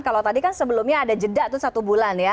kalau tadi kan sebelumnya ada jeda tuh satu bulan ya